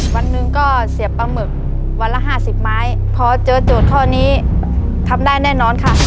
วันหนึ่งก็เสียบปลาหมึกวันละห้าสิบไม้พอเจอโจทย์ข้อนี้ทำได้แน่นอนค่ะ